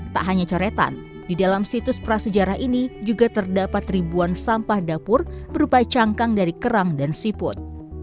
tak hanya coretan di dalam situs prasejarah ini juga terdapat ribuan sampah dapur berupa cangkang dari kerang dan siput